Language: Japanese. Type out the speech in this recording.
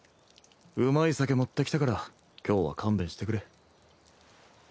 うまい酒持ってきたから今日は勘弁してくれ。